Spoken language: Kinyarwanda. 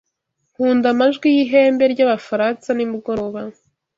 Nkunda amajwi y'ihembe ry'Abafaransa nimugoroba